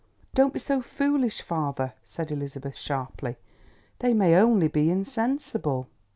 "Don't be so foolish, father," said Elizabeth sharply. "They may only be insensible."